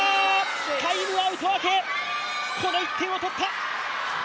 タイムアウト明け、この１点を取った。